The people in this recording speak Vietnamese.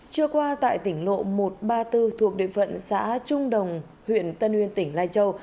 trưa qua tại tỉnh lộ một trăm ba mươi bốn thuộc địa phận xã trung đồng huyện tân nguyên tỉnh lai châu